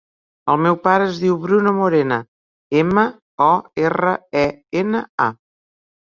El meu pare es diu Bruno Morena: ema, o, erra, e, ena, a.